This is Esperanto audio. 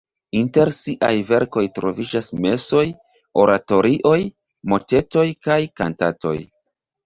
Inter siaj verkoj troviĝas mesoj, oratorioj, motetoj kaj kantatoj.